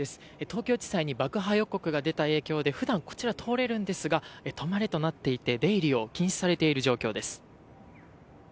東京地裁に爆破予告が出た影響で普段、こちら通れるんですが止まれとなっていて出入りを禁止されている状況です。